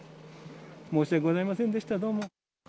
申し訳ございませんでした、どうも。